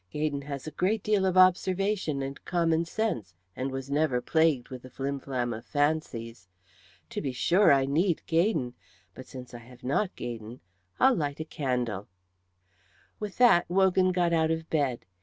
Gaydon has a great deal of observation and common sense, and was never plagued with a flim flam of fancies. To be sure, I need Gaydon, but since I have not Gaydon, I'll light a candle." With that Wogan got out of bed.